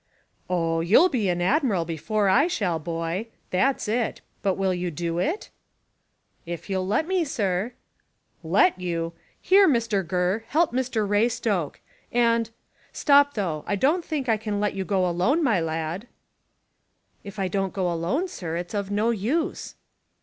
"Oh, you'll be an admiral before I shall, boy. That's it; but will you do it?" "If you'll let me, sir." "Let you? Here, Mr Gurr, help Mr Raystoke, and stop though; I don't think I can let you go alone, my lad." "If I don't go alone, sir, it's of no use."